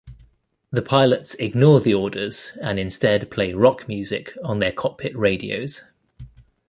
The pilots ignore the orders, and instead play rock music on their cockpit radios.